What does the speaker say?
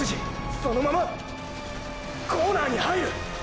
そのまま⁉コーナーに入る！！